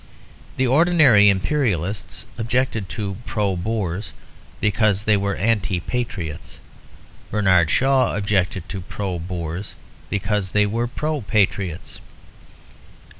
The ordinary Imperialists objected to Pro Boers because they were anti patriots. Bernard Shaw objected to Pro Boers because they were pro patriots.